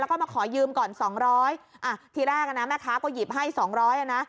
ก็มาขอยืมก่อน๒๐๐อ่ะที่แรกนะแม่ค้าก็หยิบให้๒๐๐อ่ะนะ